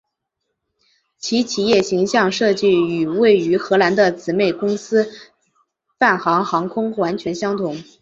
其企业形象设计与位于荷兰的姊妹公司泛航航空完全相同。